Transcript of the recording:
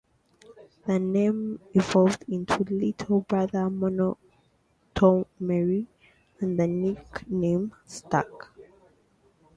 The name evolved into Little Brother Montgomery, and the nickname stuck.